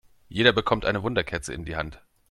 Jeder bekommt eine Wunderkerze in die Hand.